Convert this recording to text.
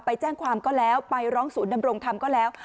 ไปแจ้งความก็แล้วไปร้องศูนย์ดำรงธรรมก็แล้ว